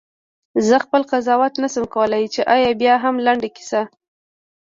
زه خپله قضاوت نه شم کولای چې آیا بیاهم لنډه کیسه.